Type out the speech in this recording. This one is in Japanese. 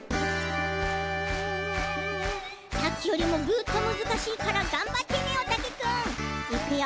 さっきよりもぐっとむずかしいからがんばってねおたけくん。いくよ。